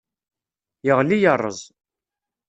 Yeɣli yerreẓ.